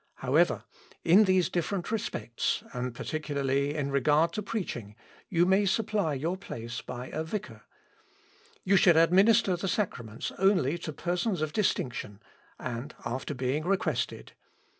However, in these different respects, and particularly in regard to preaching, you may supply your place by a vicar. You should administer the sacraments only to persons of distinction, and after being requested.